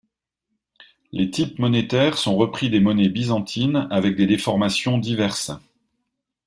Les types monétaires sont repris des monnaies byzantines, avec des déformations diverses.